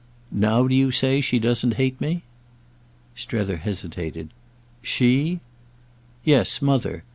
"Now do you say she doesn't hate me?" Strether hesitated. "'She'—?" "Yes—Mother.